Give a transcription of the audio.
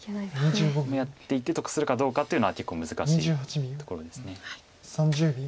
今やっていって得するかどうかというのは結構難しいところです。